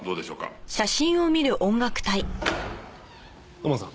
土門さん。